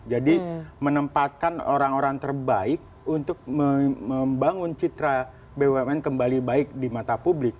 jadi menempatkan orang orang terbaik untuk membangun citra bumn kembali baik di mata publik